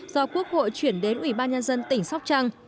do quốc hội chuyển đến ủy ban nhân dân tỉnh sóc trăng